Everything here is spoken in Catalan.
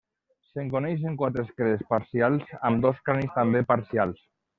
Se'n coneixen quatre esquelets parcials amb dos cranis també parcials.